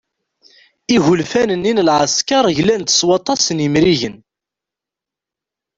Igelfan-nni n leεeskeṛ glan-d s waṭas n yimrigen.